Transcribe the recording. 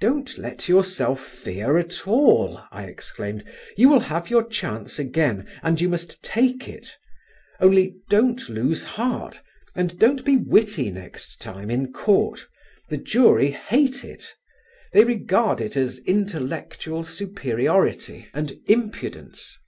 "Don't let yourself fear at all," I exclaimed. "You will have your chance again and must take it; only don't lose heart and don't be witty next time in court. The jury hate it. They regard it as intellectual superiority and impudence.